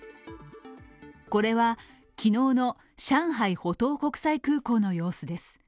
これは昨日の上海浦東国際空港の様子です。